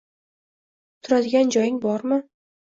Turadigan joying bormi